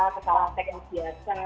kesalahan teknis biasa